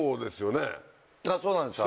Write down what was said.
そうなんですよ。